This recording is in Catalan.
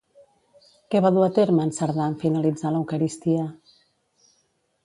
Què va dur a terme en Cerdà en finalitzar l'eucaristia?